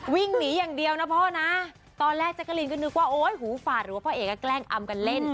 วิ่งหนีอย่างเดียวนะพ่อนะตอนแรกแจ๊กกะลินก็นึกว่าโอ๊ยหูฝาดหรือว่าพ่อเอกก็แกล้งอำกันเล่น